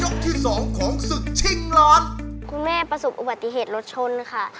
คุณแม่ประสบอุบัติเหตุรถชนค่ะ